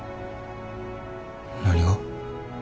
何が？